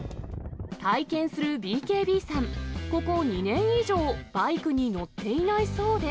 体験するＢＫＢさん、ここ、２年以上、バイクに乗っていないそうで。